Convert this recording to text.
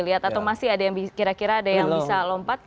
lihat atau masih ada yang kira kira ada yang bisa lompat